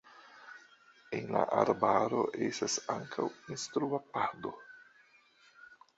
En la arbaro estas ankaŭ instrua pado.